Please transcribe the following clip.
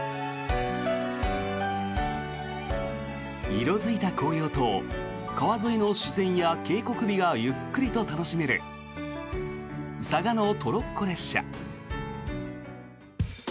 色付いた紅葉と川沿いの自然や渓谷美がゆっくりと楽しめる嵯峨野トロッコ列車。